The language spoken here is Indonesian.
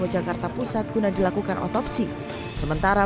jakarta pusat guna dilakukan otopsi sementara